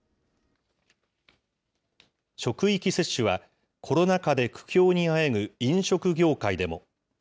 職域接種は、コロナ禍で苦境にあえぐ飲食業界でも。